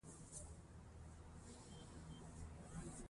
باید په سمه توګه یې مدیریت کړو.